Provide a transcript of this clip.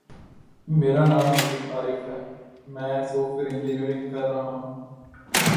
The underside of the piston is in communication with atmospheric pressure.